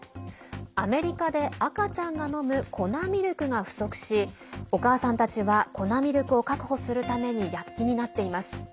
アメリカで赤ちゃんが飲む粉ミルクが不足しお母さんたちは粉ミルクを確保するために躍起になっています。